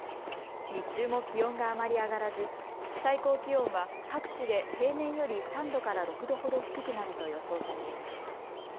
日中も気温があまり上がらず最高気温は各地で平年より３度から６度ほど低くなると予想されています。